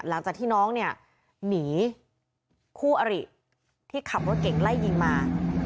หลังจากที่น้องเนี่ยหนีคู่อริที่ขับรถเก่งไล่ยิงมา